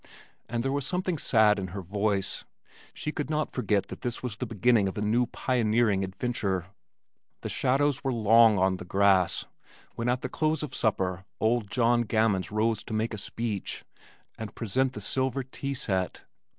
And there was something sad in her voice. She could not forget that this was the beginning of a new pioneering adventure. The shadows were long on the grass when at the close of the supper old John Gammons rose to make a speech and present the silver tea set.